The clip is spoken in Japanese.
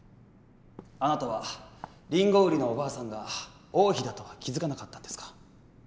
あなたはリンゴ売りのおばあさんが王妃だとは気付かなかったんですか？